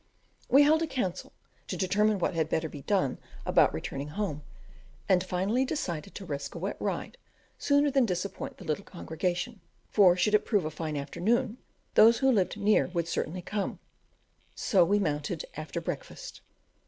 We held a council, to determine what had better be done about returning home, and finally decided to risk a wet ride sooner than disappoint the little congregation; for should it prove a fine afternoon, those who lived near would certainly come; so we mounted after breakfast.